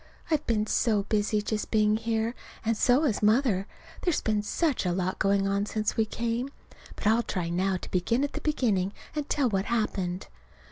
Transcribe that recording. I've been so busy just being here. And so has Mother. There's been such a lot going on since we came. But I'll try now to begin at the beginning and tell what happened.